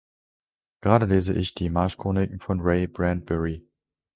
Gerade lese ich die Marschroniken von Ray Bradbury.